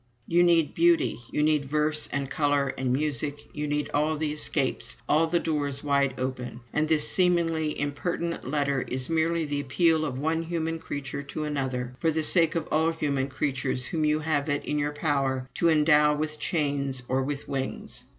You need beauty you need verse and color and music you need all the escapes all the doors wide open and this seemingly impertinent letter is merely the appeal of one human creature to another, for the sake of all the human creatures whom you have it in your power to endow with chains or with wings.